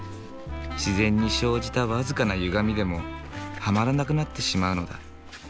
自然に生じた僅かなゆがみでもはまらなくなってしまうのだ。